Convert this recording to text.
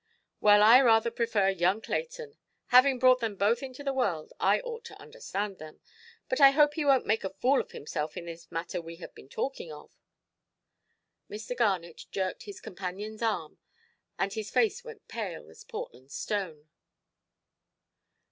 "Well, I rather prefer young Clayton. Having brought them both into the world, I ought to understand them. But I hope he wonʼt make a fool of himself in this matter we have been talking of". Mr. Garnet jerked his companionʼs arm, and his face went pale as Portland stone.